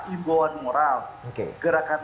imbauan moral oke gerakan